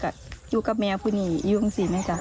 ก็อยู่กับแม่พวกนี้อยู่กับสินะจ๊ะ